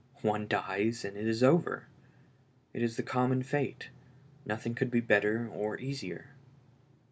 One dies and all is over. It is the common fate ; nothing could be better or easier."